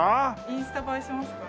インスタ映えしますか？